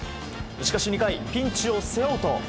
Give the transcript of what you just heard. しかし２回、ピンチを背負うと。